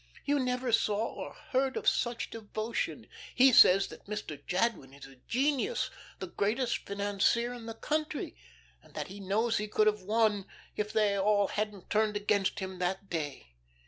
You never saw or heard of such devotion. He says that Mr. Jadwin is a genius, the greatest financier in the country, and that he knows he could have won if they all hadn't turned against him that day.